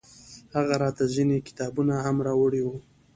هغه راته ځينې کتابونه هم راوړي وو.